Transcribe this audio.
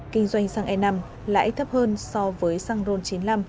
kinh doanh xăng e năm lãi thấp hơn so với xăng ron chín mươi năm